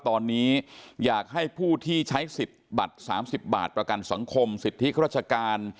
ตอนนี้อยากให้ผู้ที่ใช้สิทธิ์บัตร๓๐บาทประกันสังคมสิทธิราชการ